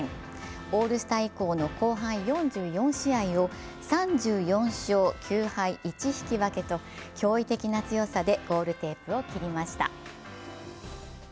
オールスター以降の後半４４試合を３４勝９敗１引き分けと驚異的な強さでゴールテープを切りました。